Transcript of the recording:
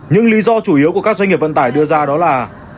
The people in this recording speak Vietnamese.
những lý do chủ yếu của các doanh nghiệp vận tải đưa ra đó là